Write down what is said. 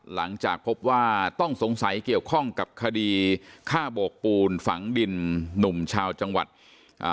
หลังจากพบว่าต้องสงสัยเกี่ยวข้องกับคดีฆ่าโบกปูนฝังดินหนุ่มชาวจังหวัดอ่า